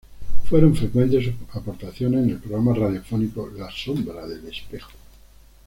Fueron frecuentes sus aportaciones en el programa radiofónico "La sombra del espejo".